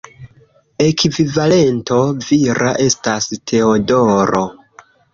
Ekvivalento vira estas Teodoro.